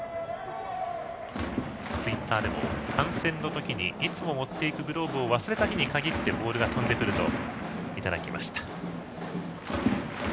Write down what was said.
ツイッターでも観戦のときにいつも持っていくグローブを忘れた日に限ってボールが飛んでくるといただきました。